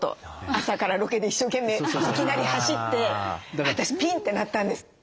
朝からロケで一生懸命いきなり走って私ピンってなったんです。